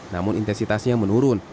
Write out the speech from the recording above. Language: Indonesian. namun intensitasnya menurun